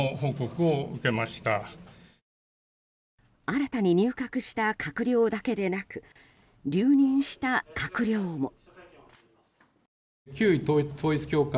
新たに入閣した閣僚だけでなく留任した閣僚も。